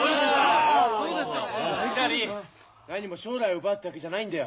ひらり何も将来を奪うってわけじゃないんだよ。